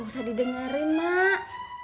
gak usah didengerin mak